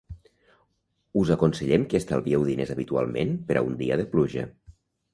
Us aconsellem que estalvieu diners habitualment per a un dia de pluja.